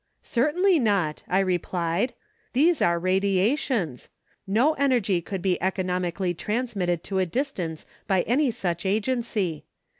"Certainly not," I replied, "these are radia tions. No energy could be economically transmitted to a distance by any such agency.